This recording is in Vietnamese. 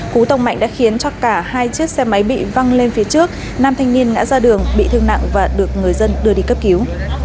cú tông mạnh đã khiến cho cả hai chiếc xe máy bị văng lên phía trước nam thanh niên ngã ra đường bị thương nặng và được người dân đưa đi cấp cứu